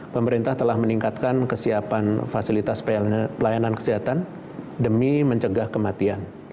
pemerintah telah meningkatkan kesiapan fasilitas pelayanan kesehatan demi mencegah kematian